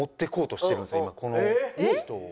今この人を。